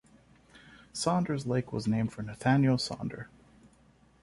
Saunders Lake was named for Nathaniel Sander.